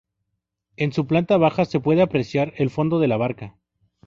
En su planta baja se puede apreciar el fondo de la barca.